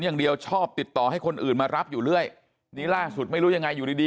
อย่างเดียวชอบติดต่อให้คนอื่นมารับอยู่เรื่อยนี่ล่าสุดไม่รู้ยังไงอยู่ดีดี